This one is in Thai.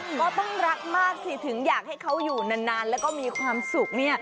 ก็ต้องรักมากสิถึงอยากให้เขาอยู่นานแล้วก็มีความสุข